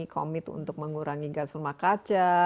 komit untuk mengurangi gas rumah kaca